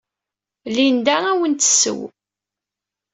Linda ad awen-d-tesseww.